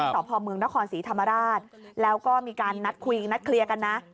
สพเมืองนครศรีธรรมราชแล้วก็มีการนัดคุยนัดเคลียร์กันนะ